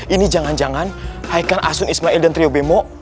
ini jangan jangan ikan asun ismail dan trio bemo